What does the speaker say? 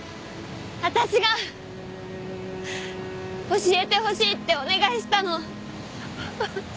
私が教えてほしいってお願いしたの。